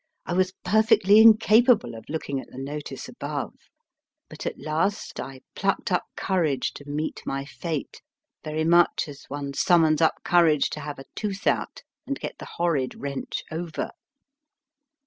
I was perfectly incapable of looking at the notice above. But, at last, I plucked up courage to meet my fate, very much as one summons up courage to have JOHN STRANGE WINTER 255 a tooth out and get the horrid wrench over.